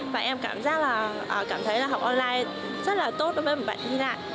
và em cảm giác là cảm thấy là học online rất là tốt với một bạn thi lại